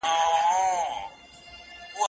د خزان سیلۍ وهلي هم غاټول هم انارګل وي